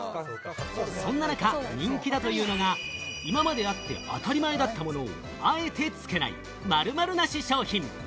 そんな中、人気だというのが今まであって当たり前だったものをあえてつけない「〇〇なし商品」。